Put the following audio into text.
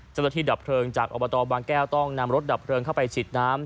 ดับเพลิงจากอบตบางแก้วต้องนำรถดับเพลิงเข้าไปฉีดน้ำ